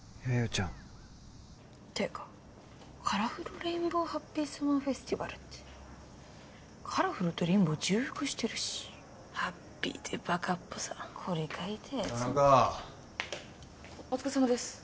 ちゃんってかカラフルレインボーハッピーサマーフェスティバルってカラフルとレインボー重複してるしハッピーというバカっぽさこれ書いたヤツの田中お疲れさまです